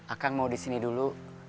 akang mau disini dulu